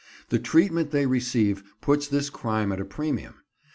The treatment they receive puts this crime at a premium.